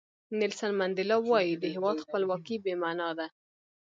نیلسن منډیلا وایي د هیواد خپلواکي بې معنا ده.